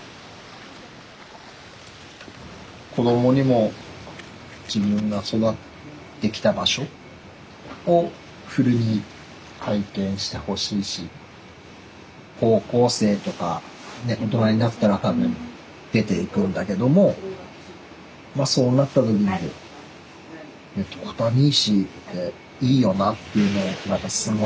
子供にも自分が育ってきた場所をフルに体験してほしいし高校生とか大人になったら多分出ていくんだけどもまあそうなった時にも小谷石っていいよなっていうのをすごい実感してほしい。